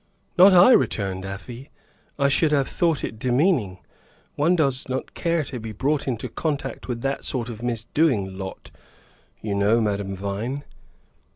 "Not I," returned Afy; "I should have thought it demeaning. One does not care to be brought into contact with that sort of misdoing lot, you know, Madame Vine."